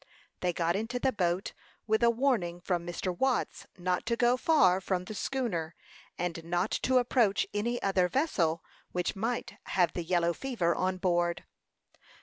They got into the boat with a warning from Mr. Watts not to go far from the schooner, and not to approach any other vessel, which might have the yellow fever on board.